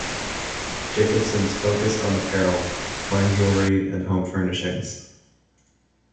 Jacobson's focused on apparel, fine jewelry and home furnishings.